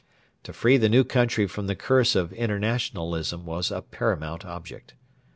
To free the new country from the curse of internationalism was a paramount object.